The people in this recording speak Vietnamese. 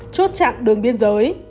chốt chặn đường biên giới